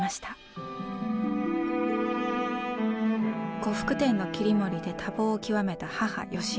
呉服店の切り盛りで多忙を極めた母芳枝さん。